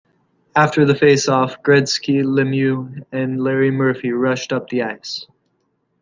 After the faceoff, Gretzky, Lemieux and Larry Murphy rushed up the ice.